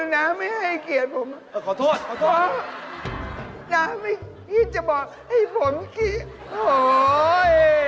น้ามิคิดจะบอกให้ผมคิดโหย